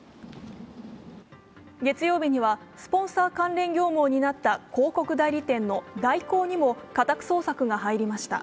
月曜日にはスポンサー関連業務を担った広告代理店の大広にも家宅捜索が入りました。